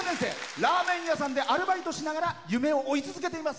ラーメン屋さんでアルバイトしながら夢を追い続けています。